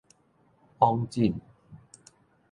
往診